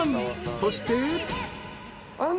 ［そして］